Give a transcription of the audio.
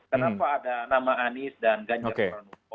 kenapa ada nama anies dan ganjar pranowo